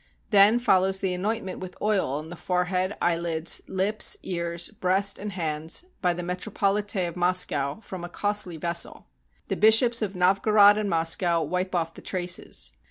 Then follows the anointment with oil on the forehead, eyelids, lips, ears, breast, and hands, by the Metropolite of Mos cow, from a costly vessel. The Bishops of Novgorod and Moscow wipe off the traces.